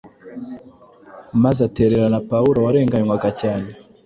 maze atererana Pawulo warenganywaga cyane